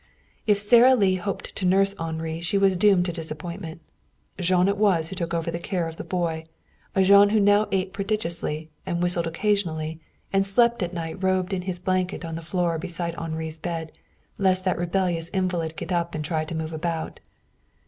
If Sara Lee hoped to nurse Henri she was doomed to disappointment. Jean it was who took over the care of the boy, a Jean who now ate prodigiously, and whistled occasionally, and slept at night robed in his blanket on the floor beside Henri's bed, lest that rebellious invalid get up and try to move about.